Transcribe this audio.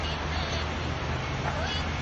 راتلونکی نسل به تر مونږ زيات پر حقايقو پوه سي.